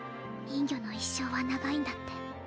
人魚の一生は長いんだって